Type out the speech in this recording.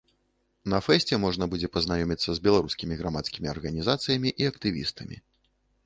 На фэсце можна будзе пазнаёміцца з беларускімі грамадскімі арганізацыямі і актывістамі.